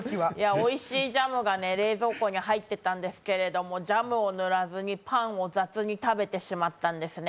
おいしいジャムが冷蔵庫に入ってたんですけどジャムを塗らずにパンを雑に食べてしまったんですね。